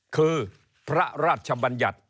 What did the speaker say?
คือพระราชบัญญัติ